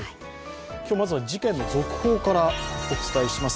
今日まずは事件の続報からお伝えします。